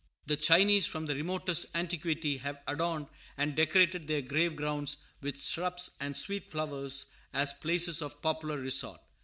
The Chinese, from the remotest antiquity, have adorned and decorated their grave grounds with shrubs and sweet flowers, as places of popular resort.